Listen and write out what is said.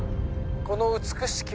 この美しき